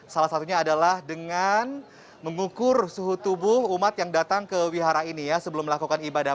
salah satunya adalah dengan mengukur suhu tubuh umat yang datang ke wihara ini ya sebelum melakukan ibadah